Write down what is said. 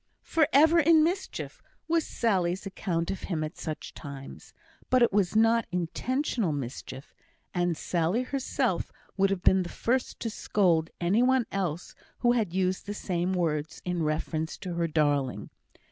"For ever in mischief," was Sally's account of him at such times; but it was not intentional mischief; and Sally herself would have been the first to scold any one else who had used the same words in reference to her darling.